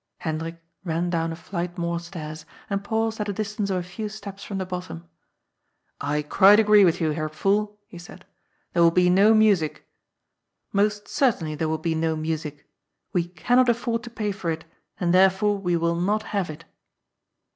Hendrik ran down a fiight more stairs, and paused at a distance of a few steps from the bottom. " I quite agree with you, Herr Pfuhl," he said. " There will be no music. Most certainly there will be no music. We cannot afford to pay for it, and therefore we will not have it."